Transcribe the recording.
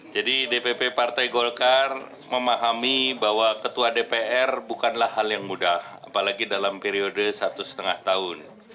jadi dpp partai golkar memahami bahwa ketua dpr bukanlah hal yang mudah apalagi dalam periode satu setengah tahun